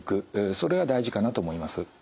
それが大事かなと思います。